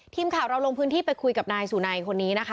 ทีมข่าวเราลงพื้นที่ไปคุยกับนายสุนัยคนนี้นะคะ